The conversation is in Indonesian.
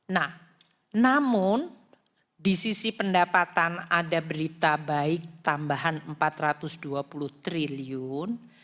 nah namun di sisi pendapatan ada berita baik tambahan rp empat ratus dua puluh triliun